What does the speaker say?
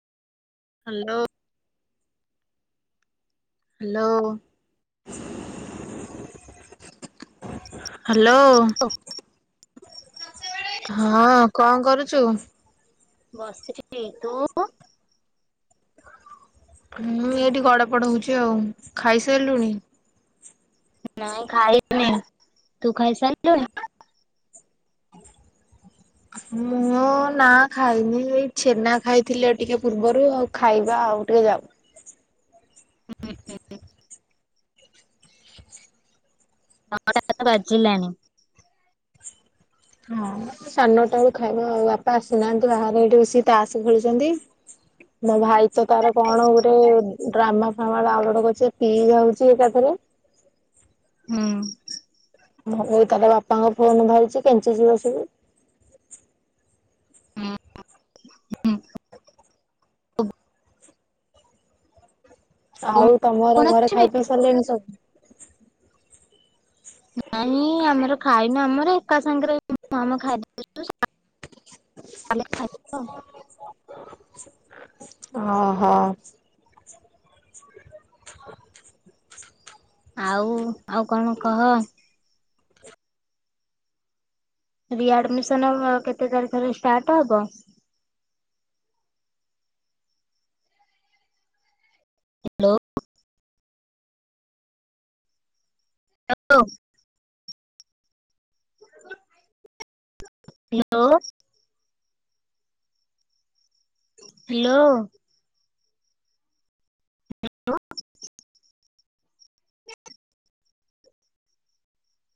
Hello. Hello. Hello. ଅ ହଁ କଣ କରୁଛୁ? ବସିଛି। ତୁ? ମୁଁ ଏଇଠି ଗଡପଢ ହଉଛି ଆଉ ଖାଇସାରିଲୁଣି? ନାାଇଁ ଖାଇନି ତୁ ଖାଇସାଇଲୁଣି? ମୁଁ ନା ଖାଇନି ଏଇ ଛେନା ଖାଇଥିଲି ଟିକେ ପୂର୍ବରୁ ଆଉ ଖାଇବା ଆଉ ଟିକେ ଯାଉ। [unintelligible] ବାଜିଲାଣି। ହଁ ସାନଟା କୁ ଖାଇବା ଆଉ ବାପା ଆସିନାହାନ୍ତି ବାହାରେ ଏଠି ବସିକି ତାସ ଖେଳଛନ୍ତି। ମୋ ଭାଇ ତ ତାର କଣ ଗୋଟେ ଡ୍ରାମା ଫାମା ଡାଉନଲୋଡ଼ କରିଚି ଯେ ପିଇ ଯାଉଛି ଏକାଥରେ। ହୁଁ ମୁଁ ମୁଁ ତାହେଲେ ବାପାଙ୍କ ଫୋନ ଧରିଛି କେଞ୍ଚୁଛି ବସିକି। ହୁଁ ହୁଁ ଆଉ ତମର କଣ ଘରେ ଅଛି ଖାଇପିଇ ସାରିଲେଣି ସବୁ? ନାଇଁ ଆମର ଖାଇନୁ ଆମର ଏକା ସାଙ୍ଗରେ ଆମ [inaudible] [unintelligible] ହଁ ହଁ। [inaudible] ଆଉ ଆଉ କଣ କହ। ରିଆଡମିସନ ମ୍ କେତେ ତାରିଖରେ ଷ୍ଟାର୍ଟ ହବ? ହ୍ୟାଲୋ। [inaudible] Hello hello [unintelligible]